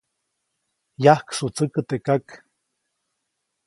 -Yajksutsäkä teʼ kak.-